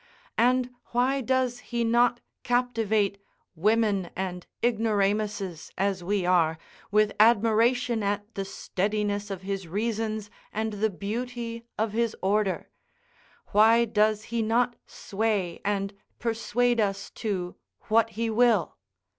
and why does he not captivate women and ignoramuses, as we are, with admiration at the steadiness of his reasons and the beauty of his order? why does he not sway and persuade us to what he will?